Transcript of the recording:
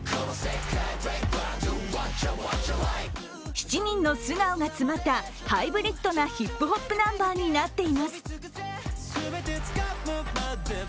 ７人の素顔が詰まったハイブリッドなヒップホップナンバーになっています。